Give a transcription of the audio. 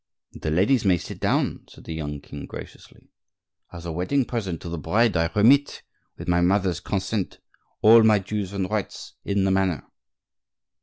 "The ladies may sit down," said the young king, graciously: "As a wedding present to the bride I remit, with my mother's consent, all my dues and rights in the manor."